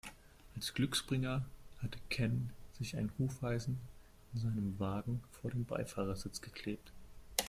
Als Glücksbringer hatte Ken sich ein Hufeisen in seinem Wagen vor den Beifahrersitz geklebt.